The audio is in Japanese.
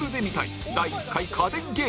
第１回家電芸人